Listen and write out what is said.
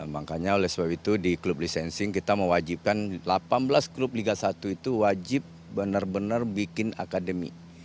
makanya oleh sebab itu di klub licensing kita mewajibkan delapan belas klub liga satu itu wajib benar benar bikin akademi